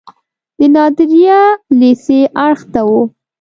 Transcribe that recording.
د نادریه لیسې اړخ ته و.